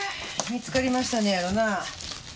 見つかりましたのやろなぁ？